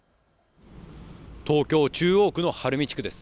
東京・中央区の晴海地区です。